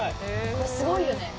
これすごいよね。